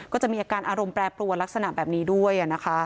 ก็จะมีอาการอารมณ์แปรปรวนลักษณะแบบนี้ด้วย